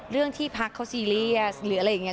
เรื่องที่พักเขาซีเรียสหรืออะไรอย่างนี้